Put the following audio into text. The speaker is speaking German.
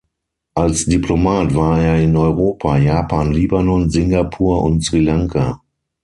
Als Diplomat war er in Europa, Japan, Libanon, Singapur und Sri Lanka.